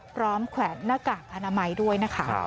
แขวนหน้ากากอนามัยด้วยนะคะ